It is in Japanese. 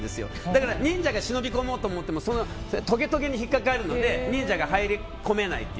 だから、忍者が忍び込もうと思ってもとげとげに引っかかるので忍者が入り込めないと。